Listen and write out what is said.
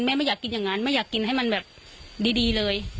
ไม่อยากกินอย่างนั้นไม่อยากกินให้มันแบบดีเลย